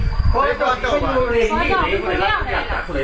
นี่ควันอีกแล้ว